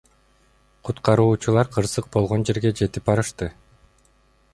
Куткаруучулар кырсык болгон жерге жетип барышты.